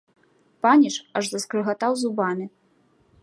Паніч аж заскрыгатаў зубамі.